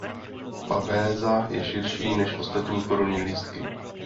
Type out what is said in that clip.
Pavéza je širší než ostatní korunní lístky.